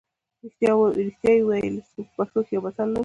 رښتیا یې ویلي وو موږ په پښتو کې یو متل لرو.